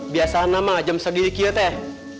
biasa nama jam segera teh